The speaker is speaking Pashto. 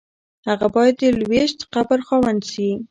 هغه باید د لویشت قبر خاوند شي.